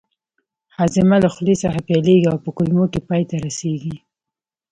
هاضمه له خولې څخه پیلیږي او په کولمو کې پای ته رسیږي